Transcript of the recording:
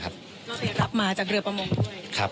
ค่ะใช่ครับ